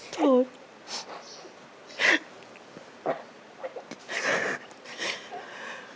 จริง